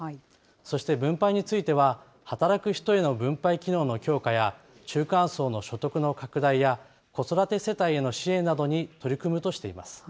そして分配については、働く人への分配機能の強化や、中間層の所得の拡大や、子育て世帯への支援などに取り組むとしています。